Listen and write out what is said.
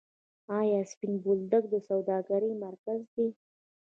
آیا سپین بولدک د سوداګرۍ مرکز دی؟